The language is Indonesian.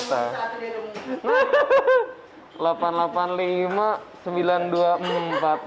ternyata oh ternyata